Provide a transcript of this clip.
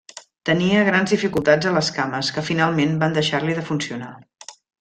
Tenia grans dificultats a les cames, que finalment van deixar-li de funcionar.